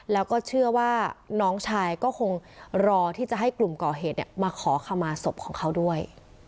แล้วก็เชื่อว่าน้องชายก็คงรอที่จะให้กลุ่มก่อเหตุมาขอขมาศพของเขาด้วย